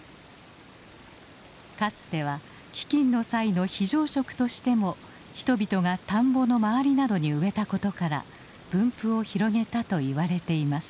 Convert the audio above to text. かつては飢きんの際の非常食としても人々が田んぼの周りなどに植えたことから分布を広げたといわれています。